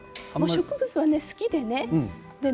植物が好きでね。